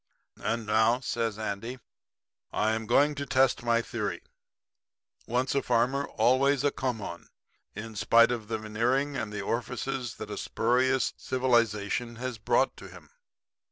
And now,' says Andy, 'I am going to test my theory "Once a farmer, always a come on," in spite of the veneering and the orifices that a spurious civilization has brought to him.'